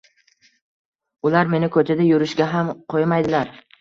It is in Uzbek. Ular meni koʻchada yurishga ham qoʻymaydilar.